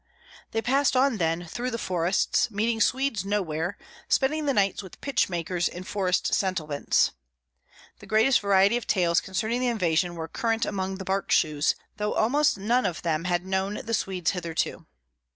They passed on then through the forests, meeting Swedes nowhere, spending the nights with pitch makers in forest settlements. The greatest variety of tales concerning the invasion were current among the Bark shoes, though almost none of them had known the Swedes hitherto.